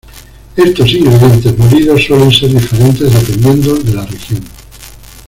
Estos ingredientes molidos suelen ser diferentes dependiendo de la región.